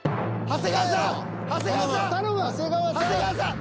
長谷川さん！